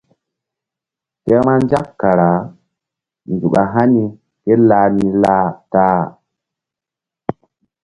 Ke vbanzak kara nzuk a hani ké lah ni lah ta-a.